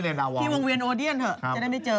เรียนดาวองค์เตียงวางเวียนโอเดียนเถอะจะได้ไม่เจอ